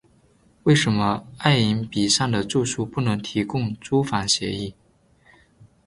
为什么爱迎彼上的住宿不能提供租房协议？